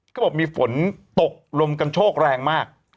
เขาบอกมีฝนตกลมกันโชคแรงมาก